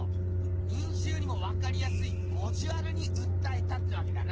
民衆にもわかりやすいボジュアルにうったえたってわけだな！